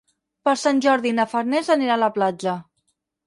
Per Sant Jordi na Farners anirà a la platja.